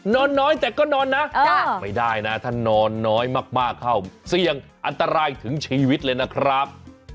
นอนน้อยแต่ก็นอนนะไม่ได้นะถ้านอนน้อยมากเข้าเสี่ยงอันตรายถึงชีวิตเลยนะครับ